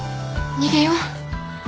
逃げよう。